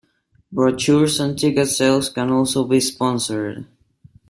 Brochures and ticket sales can also be sponsored.